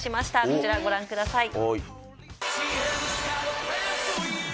こちらご覧ください。